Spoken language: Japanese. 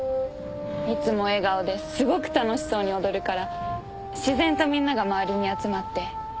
いつも笑顔ですごく楽しそうに踊るから自然とみんなが周りに集まって。